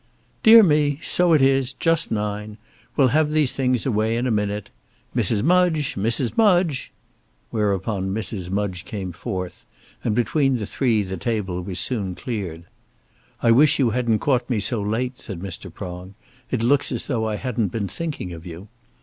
"Dear me; so it is; just nine. We'll have these things away in a minute. Mrs. Mudge; Mrs. Mudge!" Whereupon Mrs. Mudge came forth, and between the three the table was soon cleared. "I wish you hadn't caught me so late," said Mr. Prong; "it looks as though I hadn't been thinking of you."